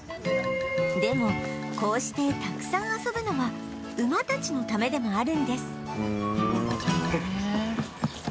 でもこうしてたくさん遊ぶのは馬たちのためでもあるんです